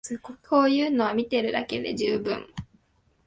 こういうのは見てるだけで充分